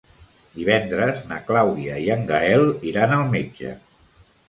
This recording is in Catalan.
Divendres na Clàudia i en Gaël iran al metge.